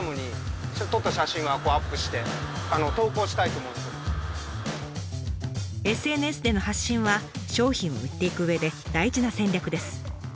これはＳＮＳでの発信は商品を売っていく上で大事な戦略です。